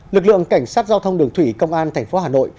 lực lượng cảnh sát giao thông đường thủy công an tp hà nội